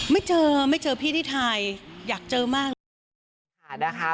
ไม่เจอไม่เจอพี่ที่ไทยอยากเจอมากเลย